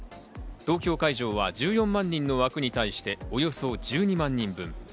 東京会場は１４万人の枠に対して、およそ１２万人分。